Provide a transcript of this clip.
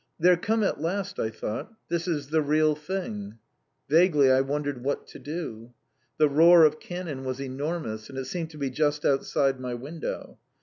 "They're come at last," I thought. "This is the real thing." Vaguely I wondered what to do. The roar of cannon was enormous, and it seemed to be just outside my window.